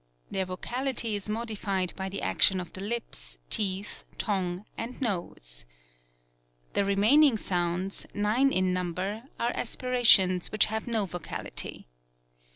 Their vocality is modified by the action of the lips, teeth, tongue and nose. The remaining sounds, nine in number, are aspirations which have no vocality.